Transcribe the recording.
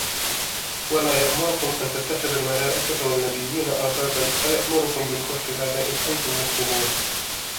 ولا يأمركم أن تتخذوا الملائكة والنبيين أربابا أيأمركم بالكفر بعد إذ أنتم مسلمون